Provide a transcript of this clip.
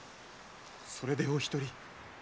それでお一人。